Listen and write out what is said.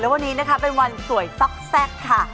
แล้ววันนี้นะคะเป็นวันสวยซอกค่ะ